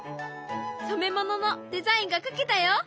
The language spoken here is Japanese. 染め物のデザインが描けたよ。